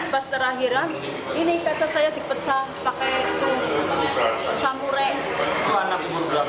pas terakhiran ini kaca saya dipecah pakai itu samure